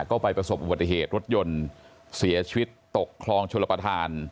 ก็ไปประสบอุบัติเหตุรถยนต์เสียชีวิตตกคลองชลประธาน